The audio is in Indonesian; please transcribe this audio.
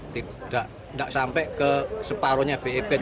tidak sampai ke separohnya bip